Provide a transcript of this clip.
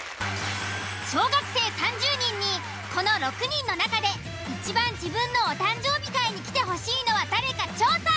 小学生３０人にこの６人の中でいちばん自分のお誕生日会に来てほしいのは誰か調査。